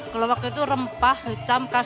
keluak itu rempah hitam